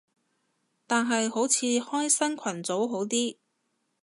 但係好似開新群組好啲